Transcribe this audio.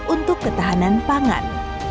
untuk ketahanan pangan